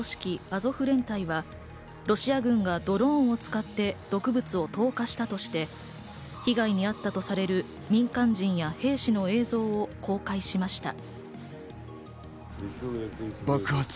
アゾフ連隊はロシア軍がドローンを使って毒物を投下したとして、被害にあったとされる民間人や兵士の映像を公開しました。